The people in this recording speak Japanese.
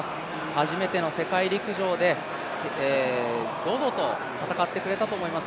初めての世界陸上で、堂々と戦ってくれたと思います。